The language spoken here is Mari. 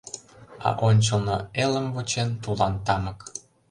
А ончылно элым вучен тулан тамык.